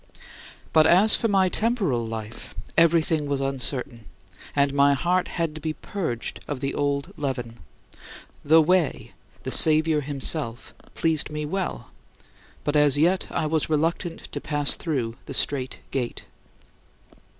But as for my temporal life, everything was uncertain, and my heart had to be purged of the old leaven. "The Way" the Saviour himself pleased me well, but as yet I was reluctant to pass through the strait gate.